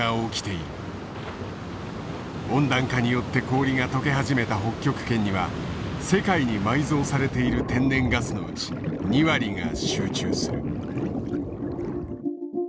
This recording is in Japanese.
温暖化によって氷が解け始めた北極圏には世界に埋蔵されている天然ガスのうち２割が集中する。